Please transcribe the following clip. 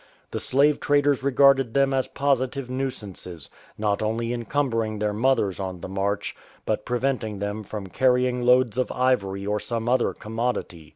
The slave traders regarded them as positive nuisances, not only encumbering their mothers on the march, but preventing them from carrying loads of ivory or some other commodity.